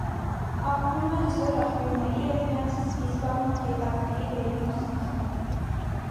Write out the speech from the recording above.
Ապրում է հզոր աղբյուրների և դրանցից սկիզբ առնող գետակների վերին հոսանքներում։